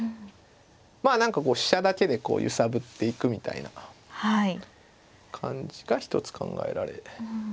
まあ何か飛車だけでこう揺さぶっていくみたいな感じが一つ考えられますかね。